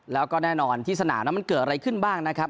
แล้วก็แน่นอนที่สนามนั้นมันเกิดอะไรขึ้นบ้างนะครับ